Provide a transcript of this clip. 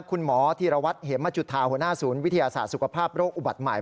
คุณหมอธีรวัตรเหมจุธาหัวหน้าศูนย์วิทยาศาสตร์สุขภาพโรคอุบัติใหม่